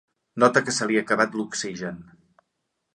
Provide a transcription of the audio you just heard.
Nota que se li ha acabat l'oxigen.